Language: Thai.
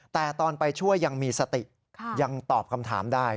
แต่ตอนไปช่วยยังมีสติยังตอบคำถามได้